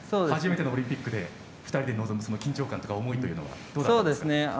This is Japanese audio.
初めてのオリンピックで２人で臨む緊張感とか思いというのは？